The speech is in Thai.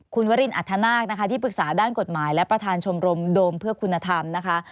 คุณวรินอัธนาคนะคะที่ปรึกษาด้านกฎหมายและประธานชมรมโดมเพื่อคุณธรรมนะคะ